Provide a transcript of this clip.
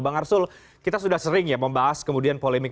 bang arsul kita sudah sering ya membahas kemudian polemik